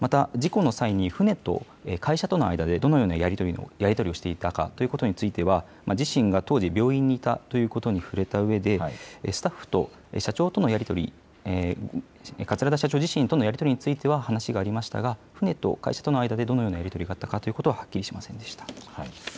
また事故の際に船と会社との間でどのようなやり取りをしていたかということについては自身が当時、病院にいたということに触れたうえでスタッフと社長とのやり取り、桂田社長自身のやり取りについては話がありましたが船と会社との間でどのようなやり取りがあったかははっきりしませんでした。